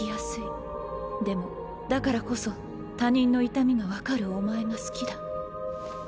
でもだからこそ他人の痛みが分かるお前が好きだ